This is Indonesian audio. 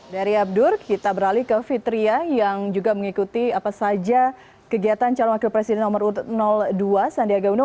dari abdur kita beralih ke fitriah yang juga mengikuti apa saja kegiatan calon wakil presiden nomor urut dua sandiaga uno